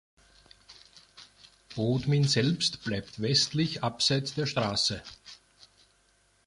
Bodmin selbst bleibt westlich abseits der Straße.